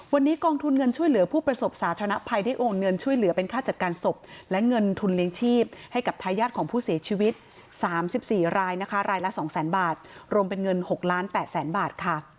วันนี้กองทุนเงินช่วยเหลือผู้ประสบสาธารณภัยได้โอนเงินช่วยเหลือเป็นค่าจัดการศพและเงินทุนเลี้ยงชีพให้กับทายาทของผู้เสียชีวิต๓๔รายนะคะรายละ๒แสนบาทรวมเป็นเงิน๖ล้าน๘แสนบาทค่ะ